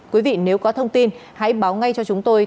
quý vị nếu có thông tin hãy báo ngay cho chúng tôi